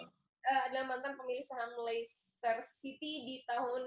dan bersama lagi adalah mantan pemilih saham lazer city di tahun dua ribu dua puluh